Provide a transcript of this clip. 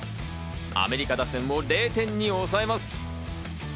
アメリカ打線を０点に抑えます。